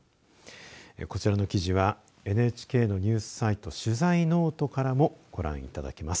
こちらの記事はＮＨＫのニュースサイト取材ｎｏｔｅからもご覧いただけます。